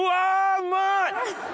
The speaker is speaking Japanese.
うまい！